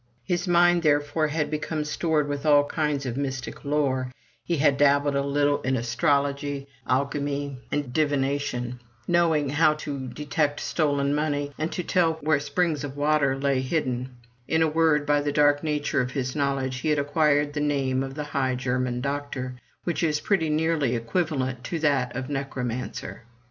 His mind therefore had become stored with all kinds of mystic lore; he had dabbled a little in astrology, alchemy, 139 MY BOOK HOUSE divination; knew how to detect stolen money, and to tell where springs of water lay hidden; in a word, by the dark nature of his knowledge he had acquired the name of the High German Doctor, which is pretty nearly equivalent to that of necromancer.